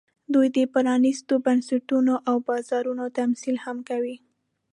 دوی د پرانېستو بنسټونو او بازارونو تمثیل هم کوي